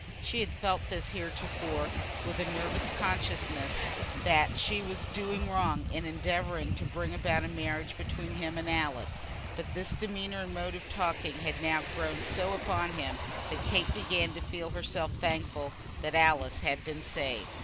She had felt this heretofore, with a nervous consciousness that she was doing wrong in endeavouring to bring about a marriage between him and Alice; but this demeanour and mode of talking had now so grown upon him that Kate began to feel herself thankful that Alice had been saved.